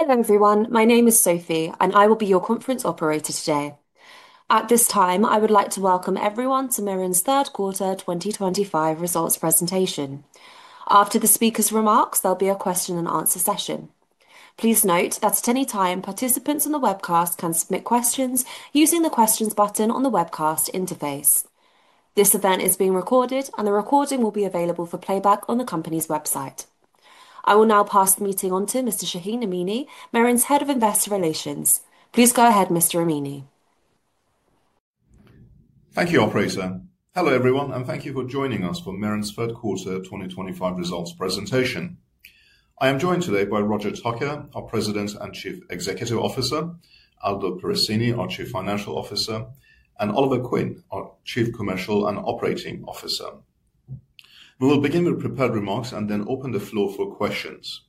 Hello everyone, my name is Sophie, and I will be your conference operator today. At this time, I would like to welcome everyone to Meren's third quarter 2025 results presentation. After the speakers' remarks, there'll be a question-and-answer session. Please note that at any time, participants in the webcast can submit questions using the questions button on the webcast interface. This event is being recorded, and the recording will be available for playback on the company's website. I will now pass the meeting on to Mr. Shahin Amini, Meren's Head of Investor Relations. Please go ahead, Mr. Amini. Thank you, Operator. Hello everyone, and thank you for joining us for Meren's third quarter 2025 results presentation. I am joined today by Roger Tucker, our President and Chief Executive Officer; Aldo Perracini, our Chief Financial Officer; and Oliver Quinn, our Chief Commercial and Operating Officer. We will begin with prepared remarks and then open the floor for questions.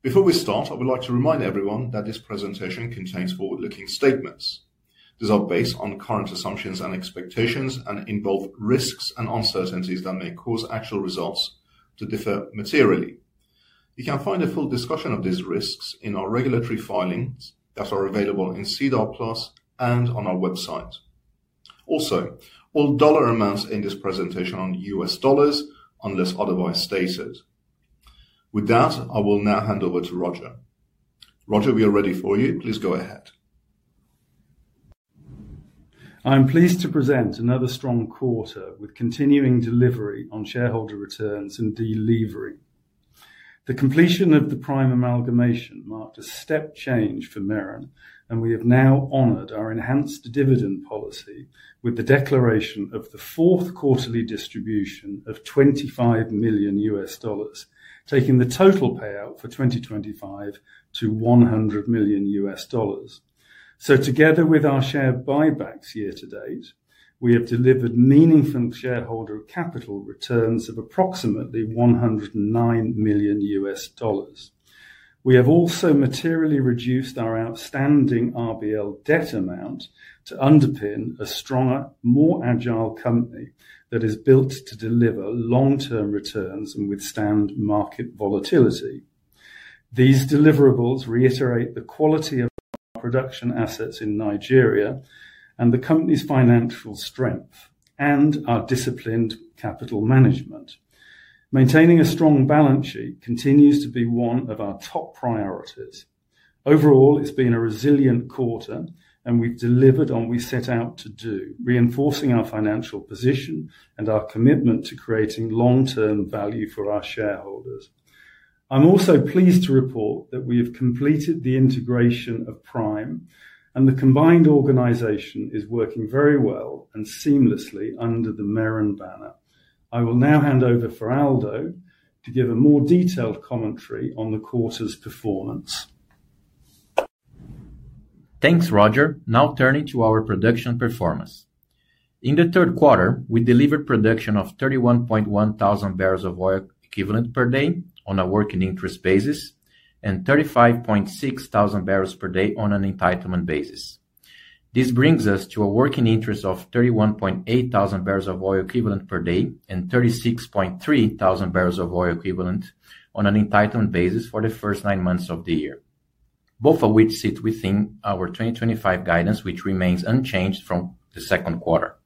Before we start, I would like to remind everyone that this presentation contains forward-looking statements. These are based on current assumptions and expectations and involve risks and uncertainties that may cause actual results to differ materially. You can find a full discussion of these risks in our regulatory filings that are available in SEDAR+ and on our website. Also, all dollar amounts in this presentation are in U.S. dollars unless otherwise stated. With that, I will now hand over to Roger. Roger, we are ready for you. Please go ahead. I'm pleased to present another strong quarter with continuing delivery on shareholder returns and delivery. The completion of the Prime amalgamation marked a step change for Meren, and we have now honored our enhanced dividend policy with the declaration of the fourth quarterly distribution of $25 million, taking the total payout for 2025 to $100 million. Together with our share buybacks year to date, we have delivered meaningful shareholder capital returns of approximately $109 million. We have also materially reduced our outstanding RBL debt amount to underpin a stronger, more agile company that is built to deliver long-term returns and withstand market volatility. These deliverables reiterate the quality of our production assets in Nigeria and the company's financial strength and our disciplined capital management. Maintaining a strong balance sheet continues to be one of our top priorities. Overall, it's been a resilient quarter, and we've delivered on what we set out to do, reinforcing our financial position and our commitment to creating long-term value for our shareholders. I'm also pleased to report that we have completed the integration of Prime, and the combined organization is working very well and seamlessly under the Meren banner. I will now hand over for Aldo to give a more detailed commentary on the quarter's performance. Thanks, Roger. Now turning to our production performance. In the third quarter, we delivered production of 31,100 bbl of oil equivalent per day on a working interest basis and 35,600 bbl per day on an entitlement basis. This brings us to a working interest of 31,800 bbl of oil equivalent per day and 36,300 bbl of oil equivalent on an entitlement basis for the first nine months of the year, both of which sit within our 2025 guidance, which remains unchanged from the second quarter.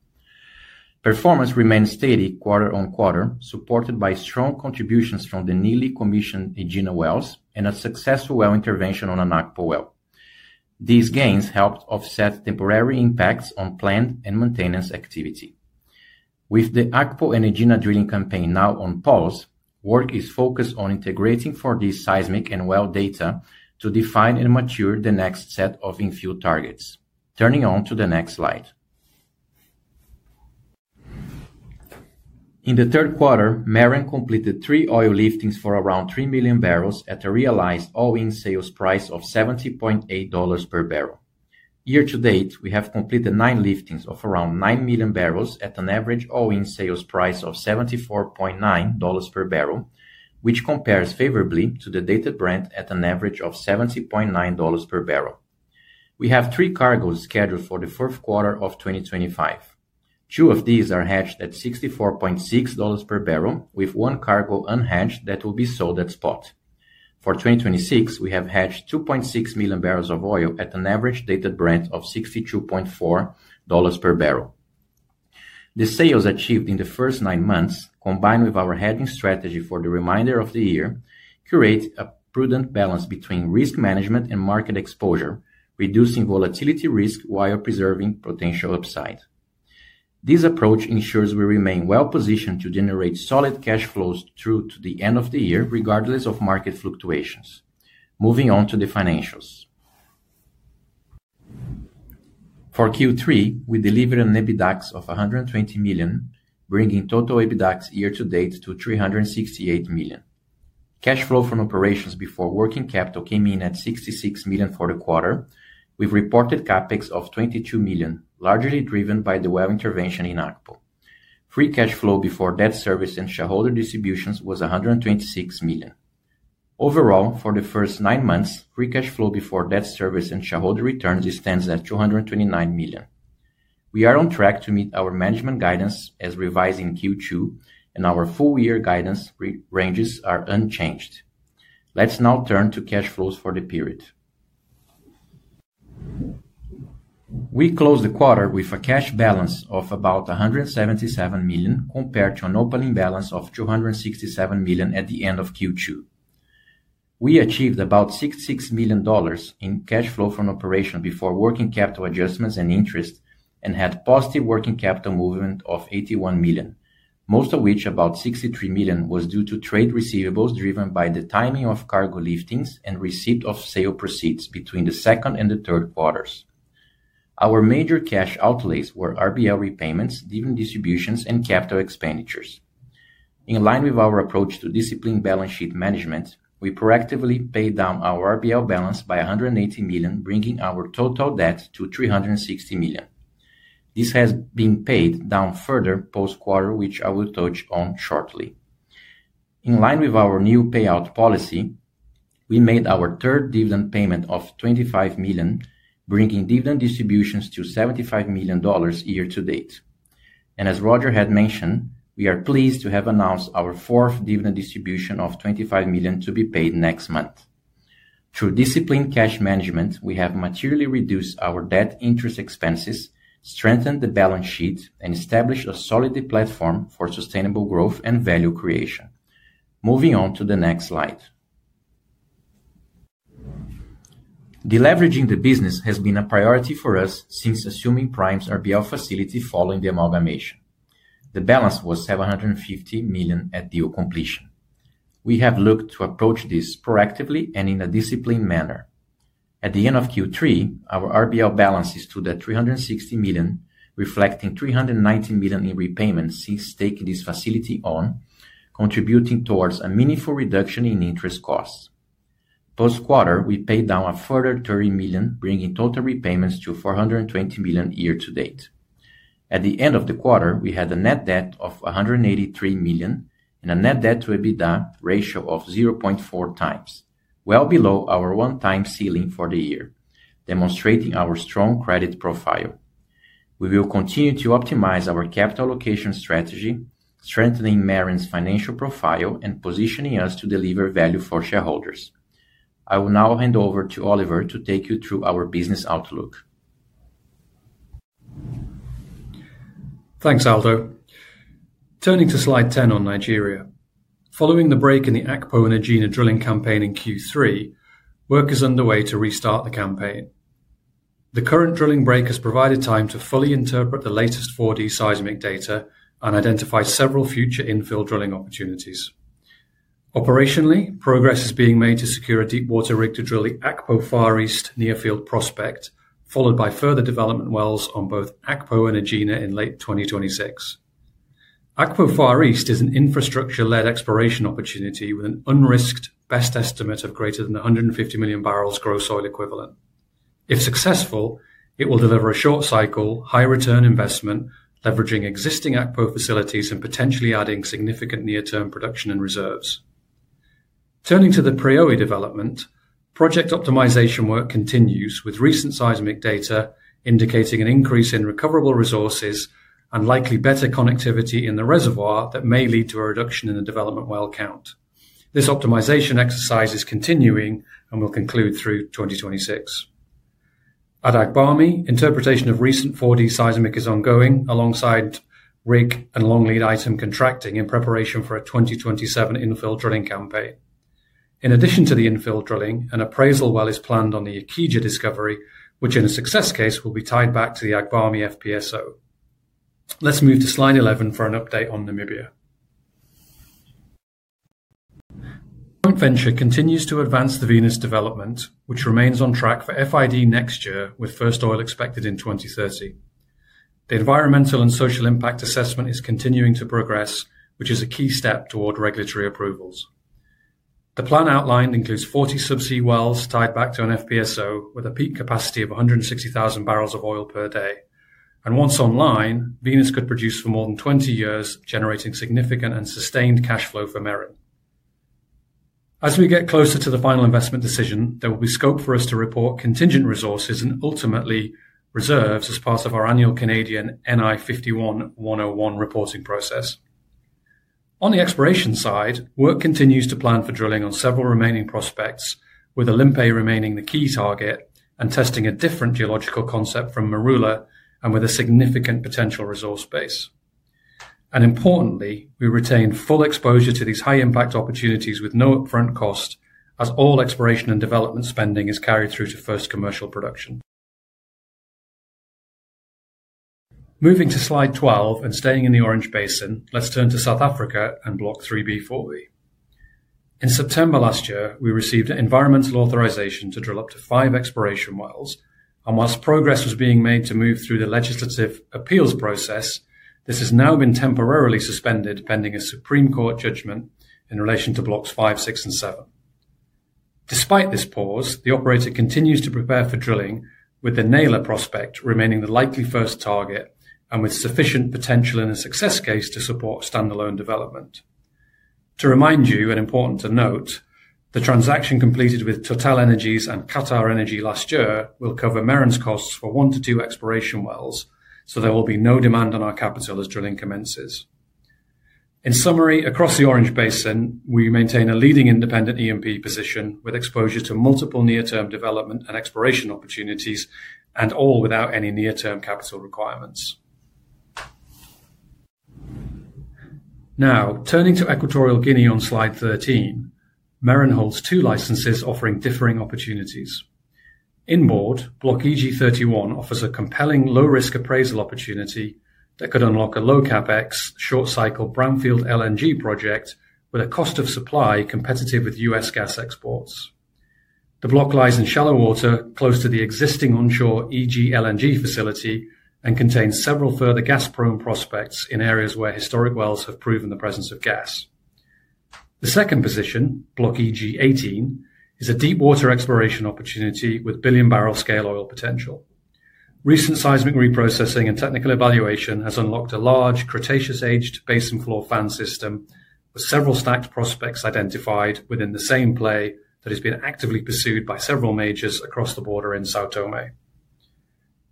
Performance remained steady quarter on quarter, supported by strong contributions from the newly commissioned Egina wells and a successful well intervention on an Akpo well. These gains helped offset temporary impacts on plant and maintenance activity. With the Akpo and Egina drilling campaign now on pause, work is focused on integrating for these seismic and well data to define and mature the next set of infuel targets. Turning on to the next slide. In the third quarter, Meren completed three oil liftings for around 3 million bbl at a realized all-in sales price of $70.8 per barrel. Year to date, we have completed nine liftings of around 9 million bbl at an average all-in sales price of $74.9 per barrel, which compares favorably to the dated Brent at an average of $70.9 per barrel. We have three cargoes scheduled for the fourth quarter of 2025. Two of these are hedged at $64.6 per barrel, with one cargo unhedged that will be sold at spot. For 2026, we have hedged 2.6 million bbl of oil at an average dated Brent of $62.4 per barrel. The sales achieved in the first nine months, combined with our hedging strategy for the remainder of the year, create a prudent balance between risk management and market exposure, reducing volatility risk while preserving potential upside. This approach ensures we remain well positioned to generate solid cash flows through to the end of the year, regardless of market fluctuations. Moving on to the financials. For Q3, we delivered an EBITDA of $120 million, bringing total EBITDA year to date to $368 million. Cash flow from operations before working capital came in at $66 million for the quarter, with reported CapEx of $22 million, largely driven by the well intervention in Akpo. Free cash flow before debt service and shareholder distributions was $126 million. Overall, for the first nine months, free cash flow before debt service and shareholder returns stands at $229 million. We are on track to meet our management guidance as revised in Q2, and our full year guidance ranges are unchanged. Let's now turn to cash flows for the period. We closed the quarter with a cash balance of about $177 million compared to an opening balance of $267 million at the end of Q2. We achieved about $66 million in cash flow from operation before working capital adjustments and interest and had positive working capital movement of $81 million, most of which, about $63 million, was due to trade receivables driven by the timing of cargo liftings and receipt of sale proceeds between the second and the third quarters. Our major cash outlays were RBL repayments, dividend distributions, and capital expenditures. In line with our approach to disciplined balance sheet management, we proactively paid down our RBL balance by $180 million, bringing our total debt to $360 million. This has been paid down further post-quarter, which I will touch on shortly. In line with our new payout policy, we made our third dividend payment of $25 million, bringing dividend distributions to $75 million year to date. As Roger had mentioned, we are pleased to have announced our fourth dividend distribution of $25 million to be paid next month. Through disciplined cash management, we have materially reduced our debt interest expenses, strengthened the balance sheet, and established a solid platform for sustainable growth and value creation. Moving on to the next slide. Deleveraging the business has been a priority for us since assuming Prime's RBL facility following the amalgamation. The balance was $750 million at deal completion. We have looked to approach this proactively and in a disciplined manner. At the end of Q3, our RBL balance is still at $360 million, reflecting $319 million in repayments since taking this facility on, contributing towards a meaningful reduction in interest costs. Post-quarter, we paid down a further $30 million, bringing total repayments to $420 million year to date. At the end of the quarter, we had a net debt of $183 million and a net debt to EBITDA ratio of 0.4x, well below our one-time ceiling for the year, demonstrating our strong credit profile. We will continue to optimize our capital allocation strategy, strengthening Meren's financial profile and positioning us to deliver value for shareholders. I will now hand over to Oliver to take you through our business outlook. Thanks, Aldo. Turning to slide 10 on Nigeria. Following the break in the Akpo and Egina drilling campaign in Q3, work is underway to restart the campaign. The current drilling break has provided time to fully interpret the latest 4D seismic data and identify several future infill drilling opportunities. Operationally, progress is being made to secure a deep water rig to drill the Akpo Far East near-field prospect, followed by further development wells on both Akpo and Egina in late 2026. Akpo Far East is an infrastructure-led exploration opportunity with an unrisked best estimate of greater than 150 million bbl gross oil equivalent. If successful, it will deliver a short cycle, high-return investment, leveraging existing Akpo facilities and potentially adding significant near-term production and reserves. Turning to the Priori development, project optimization work continues with recent seismic data indicating an increase in recoverable resources and likely better connectivity in the reservoir that may lead to a reduction in the development well count. This optimization exercise is continuing and will conclude through 2026. At Agbami, interpretation of recent 4D seismic is ongoing alongside rig and long lead item contracting in preparation for a 2027 infill drilling campaign. In addition to the infill drilling, an appraisal well is planned on the Ikija discovery, which in a success case will be tied back to the Agbami FPSO. Let's move to slide 11 for an update on Namibia. Front Venture continues to advance the Venus development, which remains on track for FID next year, with first oil expected in 2030. The environmental and social impact assessment is continuing to progress, which is a key step toward regulatory approvals. The plan outlined includes 40 subsea wells tied back to an FPSO with a peak capacity of 160,000 bbl of oil per day, and once online, Venus could produce for more than 20 years, generating significant and sustained cash flow for Meren. As we get closer to the final investment decision, there will be scope for us to report contingent resources and ultimately reserves as part of our annual Canadian NI 51-101 reporting process. On the exploration side, work continues to plan for drilling on several remaining prospects, with Olympe remaining the key target and testing a different geological concept from Marula and with a significant potential resource base. Importantly, we retain full exposure to these high-impact opportunities with no upfront cost, as all exploration and development spending is carried through to first commercial production. Moving to slide 12 and staying in the Orange Basin, let's turn to South Africa and Block 3B/4B. In September last year, we received an environmental authorization to drill up to five exploration wells, and whilst progress was being made to move through the legislative appeals process, this has now been temporarily suspended pending a Supreme Court judgment in relation to Blocks 5, 6, and 7. Despite this pause, the operator continues to prepare for drilling, with the Naylor prospect remaining the likely first target and with sufficient potential in a success case to support standalone development. To remind you, and important to note, the transaction completed with TotalEnergies and QatarEnergy last year will cover Meren's costs for one to two exploration wells, so there will be no demand on our capital as drilling commences. In summary, across the Orange Basin, we maintain a leading independent E&P position with exposure to multiple near-term development and exploration opportunities, and all without any near-term capital requirements. Now, turning to Equatorial Guinea on slide 13, Meren holds two licenses offering differing opportunities. Inboard, Block EG-31 offers a compelling low-risk appraisal opportunity that could unlock a low CapEx, short cycle brownfield LNG project with a cost of supply competitive with U.S. gas exports. The block lies in shallow water close to the existing onshore EG LNG facility and contains several further gas-prone prospects in areas where historic wells have proven the presence of gas. The second position, Block EG-18, is a deep water exploration opportunity with billion-barrel scale oil potential. Recent seismic reprocessing and technical evaluation has unlocked a large Cretaceous-aged basin floor fan system with several stacked prospects identified within the same play that has been actively pursued by several majors across the border in São Tomé.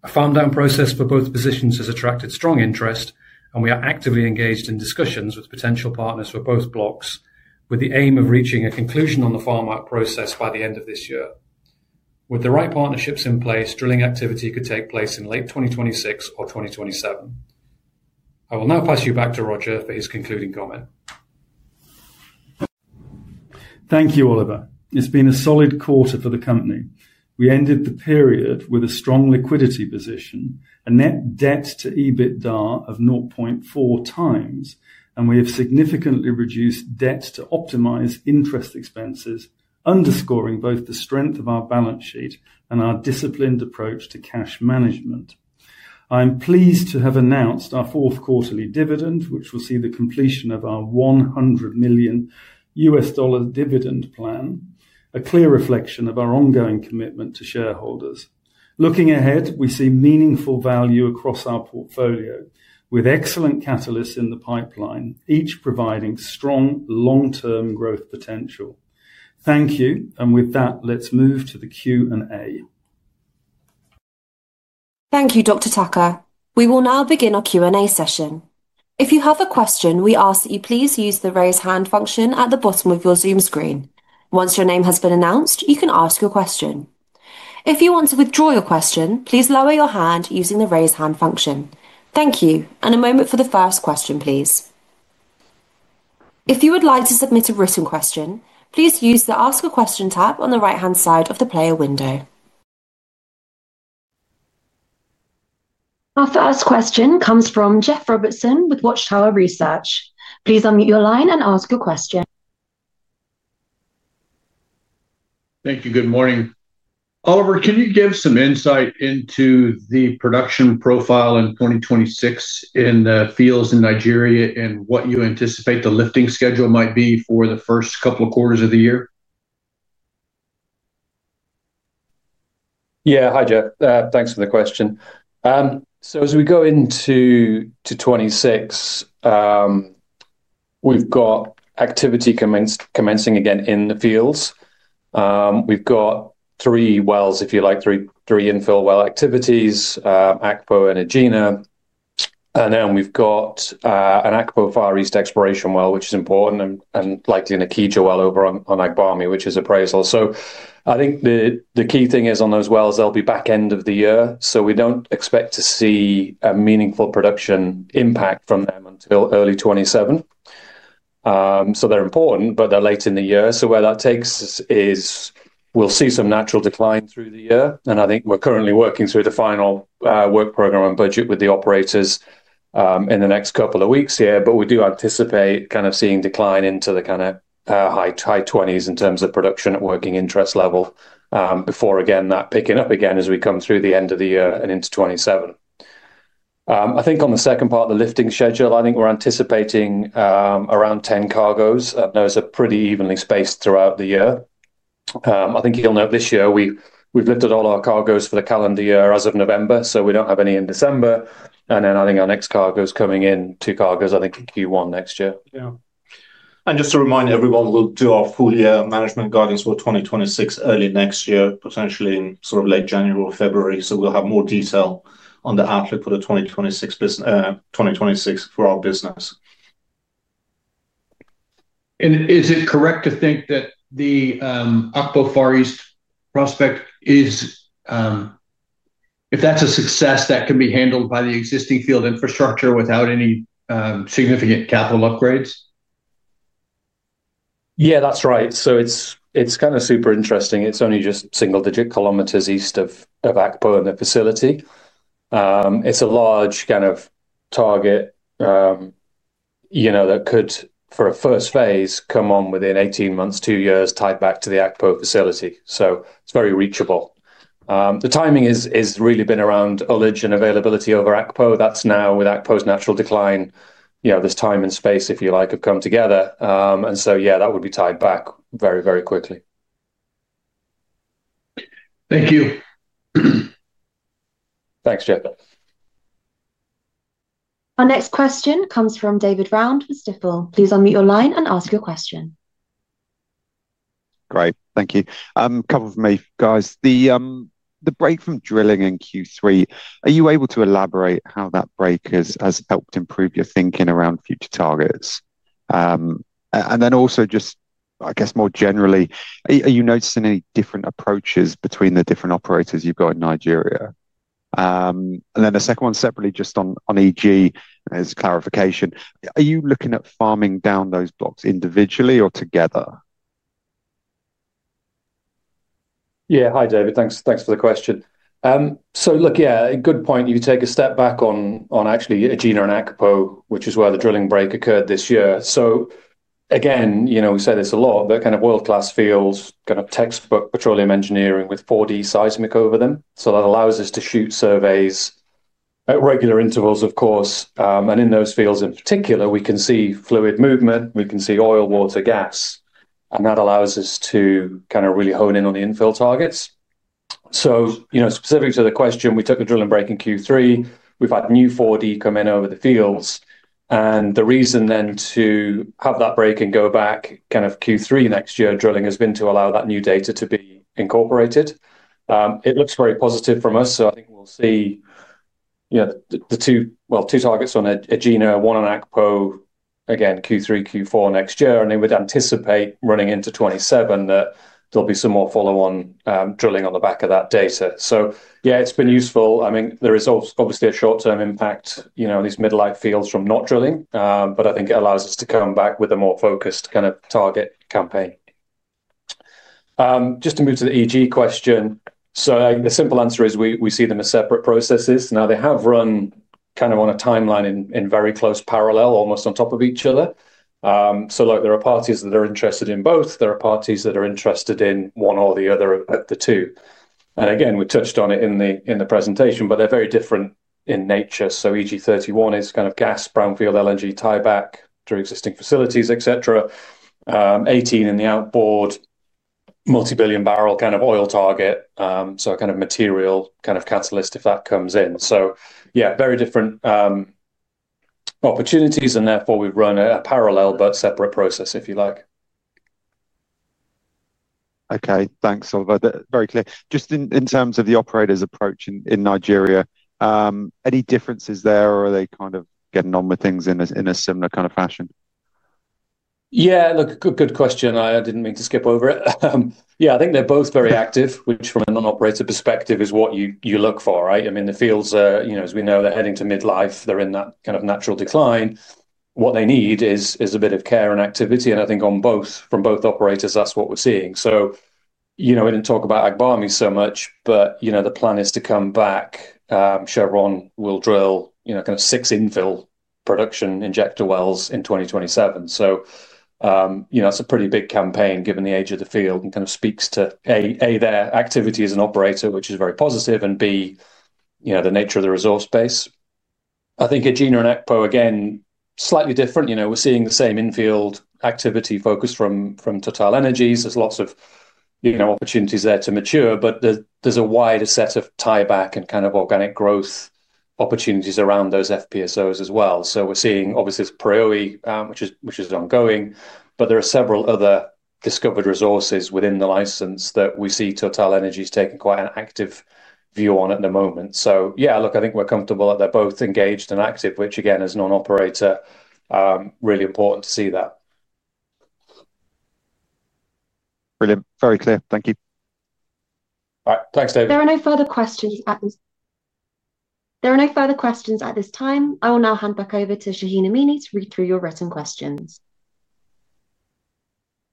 A farm down process for both positions has attracted strong interest, and we are actively engaged in discussions with potential partners for both blocks with the aim of reaching a conclusion on the farm up process by the end of this year. With the right partnerships in place, drilling activity could take place in late 2026 or 2027. I will now pass you back to Roger for his concluding comment. Thank you, Oliver. It's been a solid quarter for the company. We ended the period with a strong liquidity position, a net debt to EBITDA of 0.4x, and we have significantly reduced debt to optimize interest expenses, underscoring both the strength of our balance sheet and our disciplined approach to cash management. I'm pleased to have announced our fourth quarterly dividend, which will see the completion of our $100 million dividend plan, a clear reflection of our ongoing commitment to shareholders. Looking ahead, we see meaningful value across our portfolio with excellent catalysts in the pipeline, each providing strong long-term growth potential. Thank you, and with that, let's move to the Q&A. Thank you, Dr. Tucker. We will now begin our Q&A session. If you have a question, we ask that you please use the raise hand function at the bottom of your Zoom screen. Once your name has been announced, you can ask your question. If you want to withdraw your question, please lower your hand using the raise hand function. Thank you, and a moment for the first question, please. If you would like to submit a written question, please use the Ask a Question tab on the right-hand side of the player window. Our first question comes from Jeff Robertson with Water Tower Research. Please unmute your line and ask your question. Thank you. Good morning. Oliver, can you give some insight into the production profile in 2026 in the fields in Nigeria and what you anticipate the lifting schedule might be for the first couple of quarters of the year? Yeah, hi, Jeff. Thanks for the question. As we go into 2026, we've got activity commencing again in the fields. We've got three wells, if you like, three infill well activities, Akpo and Egina. We've got an Akpo Far East exploration well, which is important, and likely an Ikija well over on Agbami, which is appraisal. I think the key thing is on those wells, they'll be back end of the year, so we don't expect to see a meaningful production impact from them until early 2027. They're important, but they're late in the year. Where that takes us is we'll see some natural decline through the year, and I think we're currently working through the final work program and budget with the operators in the next couple of weeks here, but we do anticipate kind of seeing decline into the high 20s in terms of production at working interest level before, again, that picking up again as we come through the end of the year and into 2027. I think on the second part of the lifting schedule, I think we're anticipating around 10 cargoes. Those are pretty evenly spaced throughout the year. I think you'll note this year we've lifted all our cargoes for the calendar year as of November, so we do not have any in December. I think our next cargo is coming in, two cargoes, I think in Q1 next year. Yeah. Just to remind everyone, we'll do our full year management guidance for 2026 early next year, potentially in sort of late January or February, so we'll have more detail on the outlook for 2026 for our business. Is it correct to think that the Akpo Far East prospect is, if that's a success, that can be handled by the existing field infrastructure without any significant capital upgrades? Yeah, that's right. It is kind of super interesting. It is only just single-digit kilometers east of Akpo and the facility. It is a large kind of target that could, for a first phase, come on within 18 months, two years, tied back to the Akpo facility. It is very reachable. The timing has really been around ullage and availability over Akpo. That is now with Akpo's natural decline, this time and space, if you like, have come together. Yeah, that would be tied back very, very quickly. Thank you. Thanks, Jeff. Our next question comes from David Round, Stifel. Please unmute your line and ask your question. Great. Thank you. Couple of my guys, the break from drilling in Q3, are you able to elaborate how that break has helped improve your thinking around future targets? I guess, more generally, are you noticing any different approaches between the different operators you've got in Nigeria? The second one separately, just on EG, as a clarification, are you looking at farming down those blocks individually or together? Yeah. Hi, David. Thanks for the question. Look, yeah, a good point. You take a step back on actually Egina and Akpo, which is where the drilling break occurred this year. We say this a lot, but kind of world-class fields, kind of textbook petroleum engineering with 4D seismic over them. That allows us to shoot surveys at regular intervals, of course. In those fields in particular, we can see fluid movement, we can see oil, water, gas, and that allows us to kind of really hone in on the infill targets. Specific to the question, we took a drilling break in Q3, we have had new 4D come in over the fields, and the reason to have that break and go back Q3 next year drilling has been to allow that new data to be incorporated. It looks very positive from us, so I think we'll see the two, well, two targets on Egina, one on Akpo, again, Q3, Q4 next year, and then we'd anticipate running into 2027 that there'll be some more follow-on drilling on the back of that data. Yeah, it's been useful. I mean, there is obviously a short-term impact on these mid-life fields from not drilling, but I think it allows us to come back with a more focused kind of target campaign. Just to move to the EG question, the simple answer is we see them as separate processes. Now, they have run kind of on a timeline in very close parallel, almost on top of each other. There are parties that are interested in both. There are parties that are interested in one or the other of the two. We touched on it in the presentation, but they're very different in nature. EG-31 is kind of gas, brownfield LNG tieback through existing facilities, etc. EG-18 in the outboard, multi-billion barrel kind of oil target, so kind of material kind of catalyst if that comes in. Yeah, very different opportunities, and therefore we've run a parallel but separate process, if you like. Okay. Thanks, Oliver. Very clear. Just in terms of the operator's approach in Nigeria, any differences there, or are they kind of getting on with things in a similar kind of fashion? Yeah. Look, good question. I didn't mean to skip over it. Yeah, I think they're both very active, which from a non-operator perspective is what you look for, right? I mean, the fields, as we know, they're heading to mid-life. They're in that kind of natural decline. What they need is a bit of care and activity. I think from both operators, that's what we're seeing. We didn't talk about Agbami so much, but the plan is to come back. Chevron will drill six infill production injector wells in 2027. That's a pretty big campaign given the age of the field and kind of speaks to, A, their activity as an operator, which is very positive, and B, the nature of the resource base. I think Egina and Akpo, again, slightly different. We're seeing the same infield activity focus from TotalEnergies. There's lots of opportunities there to mature, but there's a wider set of tieback and kind of organic growth opportunities around those FPSOs as well. We're seeing, obviously, it's Preowei, which is ongoing, but there are several other discovered resources within the license that we see TotalEnergies is taking quite an active view on at the moment. Yeah, look, I think we're comfortable that they're both engaged and active, which, again, as non-operator, really important to see that. Brilliant. Very clear. Thank you. All right. Thanks, David. There are no further questions at this time. I will now hand back over to Shahin Amini to read through your written questions.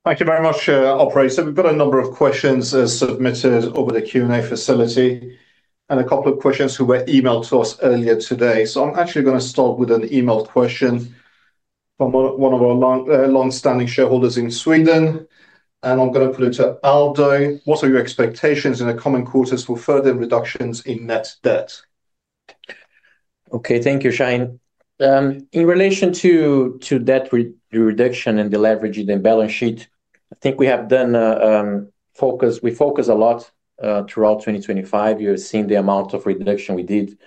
Thank you very much, operator. We've got a number of questions submitted over the Q&A facility and a couple of questions who were emailed to us earlier today. I'm actually going to start with an emailed question from one of our long-standing shareholders in Sweden, and I'm going to put it to Aldo. What are your expectations in the coming quarters for further reductions in net debt? Okay. Thank you, Shahin. In relation to debt reduction and the leverage in the balance sheet, I think we have done a focus. We focus a lot throughout 2025. You have seen the amount of reduction we did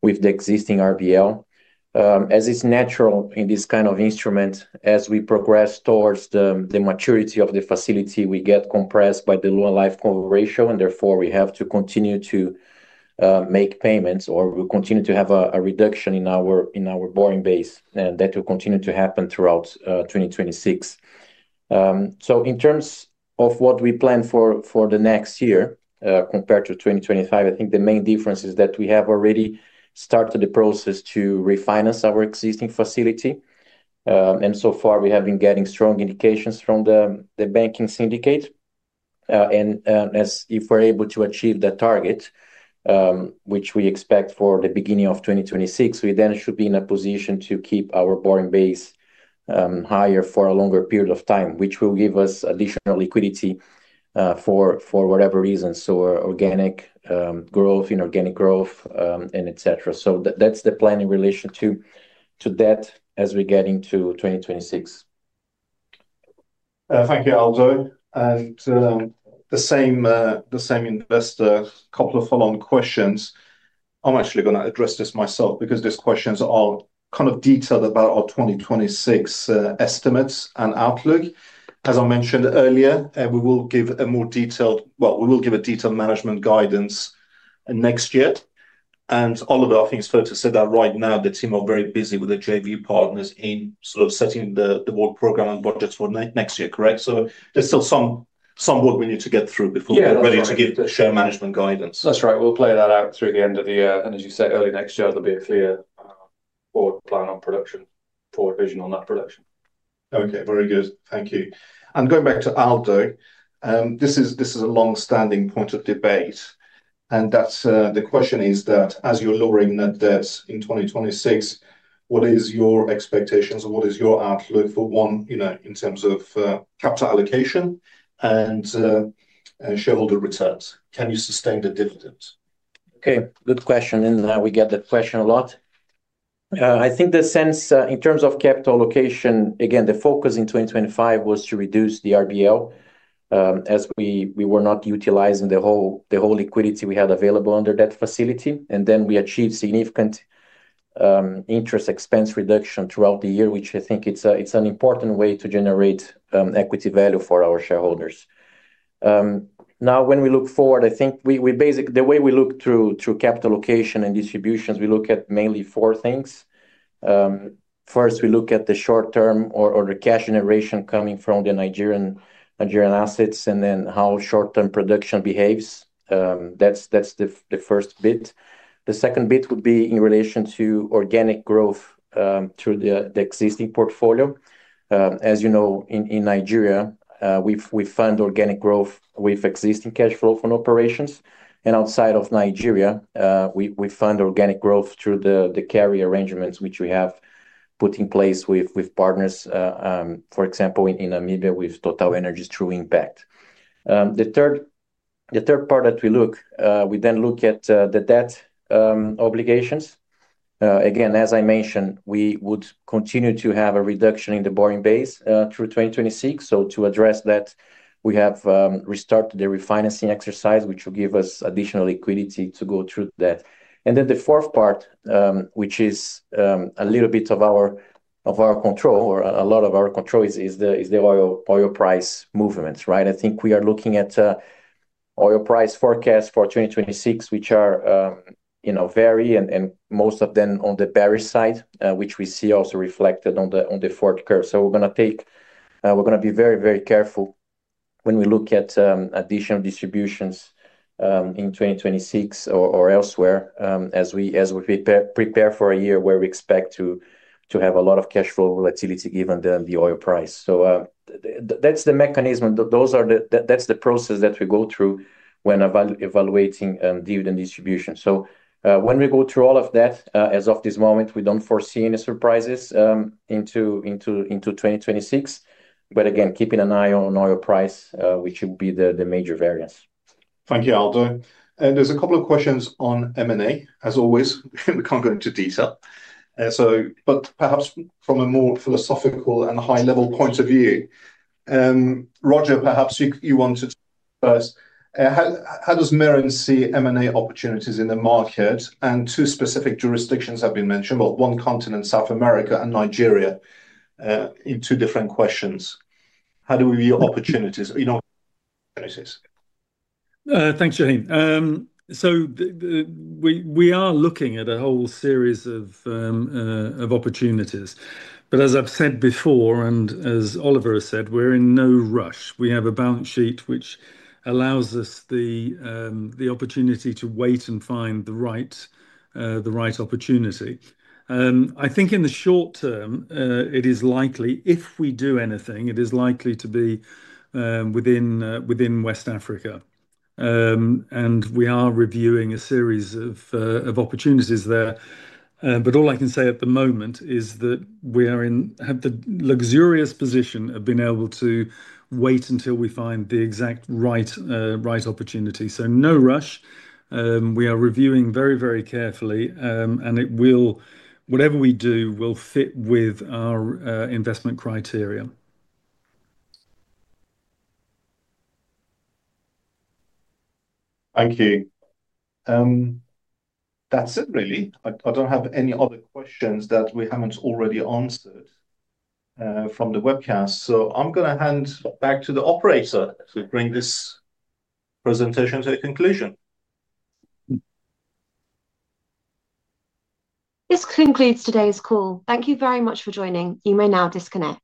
with the existing RBL. As it's natural in this kind of instrument, as we progress towards the maturity of the facility, we get compressed by the low and life core ratio, and therefore we have to continue to make payments or we'll continue to have a reduction in our borrowing base, and that will continue to happen throughout 2026. In terms of what we plan for the next year compared to 2025, I think the main difference is that we have already started the process to refinance our existing facility. So far, we have been getting strong indications from the banking syndicate. If we're able to achieve that target, which we expect for the beginning of 2026, we then should be in a position to keep our borrowing base higher for a longer period of time, which will give us additional liquidity for whatever reasons, so organic growth, inorganic growth, and etc. That's the plan in relation to that as we get into 2026. Thank you, Aldo. The same investor, a couple of follow-on questions. I'm actually going to address this myself because these questions are kind of detailed about our 2026 estimates and outlook. As I mentioned earlier, we will give a more detailed, we will give a detailed management guidance next year. Oliver, I think it's fair to say that right now, the team are very busy with the JV partners in sort of setting the board program and budgets for next year, correct? There is still some work we need to get through before we're ready to give the share management guidance. That's right. We'll play that out through the end of the year. As you say, early next year, there'll be a clear board plan on production, board vision on that production. Okay. Very good. Thank you. Going back to Aldo, this is a long-standing point of debate. The question is that as you're lowering net debts in 2026, what are your expectations or what is your outlook for one in terms of capital allocation and shareholder returns? Can you sustain the dividends? Okay. Good question. We get that question a lot. I think the sense in terms of capital allocation, again, the focus in 2025 was to reduce the RBL as we were not utilizing the whole liquidity we had available under that facility. We achieved significant interest expense reduction throughout the year, which I think is an important way to generate equity value for our shareholders. Now, when we look forward, I think the way we look through capital allocation and distributions, we look at mainly four things. First, we look at the short-term or the cash generation coming from the Nigerian assets and then how short-term production behaves. That is the first bit. The second bit would be in relation to organic growth through the existing portfolio. As you know, in Nigeria, we fund organic growth with existing cash flow from operations. Outside of Nigeria, we fund organic growth through the carry arrangements, which we have put in place with partners, for example, in Namibia with TotalEnergies through Impact. The third part that we look, we then look at the debt obligations. Again, as I mentioned, we would continue to have a reduction in the borrowing base through 2026. To address that, we have restarted the refinancing exercise, which will give us additional liquidity to go through that. The fourth part, which is a little bit out of our control, or a lot out of our control, is the oil price movements, right? I think we are looking at oil price forecasts for 2026, which vary, and most of them are on the bearish side, which we see also reflected on the forward curve. We're going to be very, very careful when we look at additional distributions in 2026 or elsewhere as we prepare for a year where we expect to have a lot of cash flow volatility given the oil price. That's the mechanism. That's the process that we go through when evaluating dividend distribution. When we go through all of that, as of this moment, we don't foresee any surprises into 2026. Again, keeping an eye on oil price, which will be the major variance. Thank you, Aldo. There is a couple of questions on M&A, as always. We can't go into detail. Perhaps from a more philosophical and high-level point of view. Roger, perhaps you wanted to start first. How does Meren see M&A opportunities in the market? Two specific jurisdictions have been mentioned, but one continent, South America and Nigeria, in two different questions. How do we view opportunities? Thanks, Shahin. We are looking at a whole series of opportunities. As I've said before, and as Oliver has said, we're in no rush. We have a balance sheet which allows us the opportunity to wait and find the right opportunity. I think in the short term, if we do anything, it is likely to be within West Africa. We are reviewing a series of opportunities there. All I can say at the moment is that we have the luxurious position of being able to wait until we find the exact right opportunity. No rush. We are reviewing very, very carefully, and whatever we do will fit with our investment criteria. Thank you. That's it, really. I don't have any other questions that we haven't already answered from the webcast. I am going to hand back to the operator to bring this presentation to a conclusion. This concludes today's call. Thank you very much for joining. You may now disconnect.